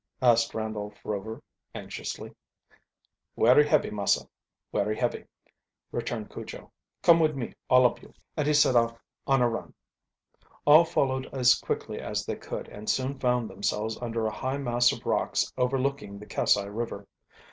asked Randolph Rover anxiously. "Werry heavy, massah; werry heavy," returned Cujo. "Come wid me, all ob you," and he set off on a run. All followed as quickly as they could, and soon found themselves under a high mass of rocks overlooking the Kassai River.